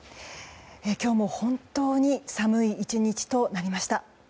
今日も本当に寒い１日となりました。